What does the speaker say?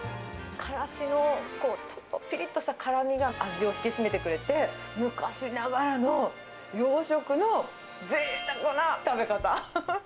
カラシのちょっとぴりっとした辛みが味を引き締めてくれて、昔ながらの洋食のぜいたくな食べ方。